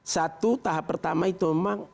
satu tahap pertama itu memang